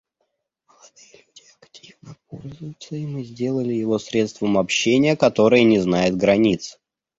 Молодые люди активно пользуются им и сделали его средством общения, которое не знает границ.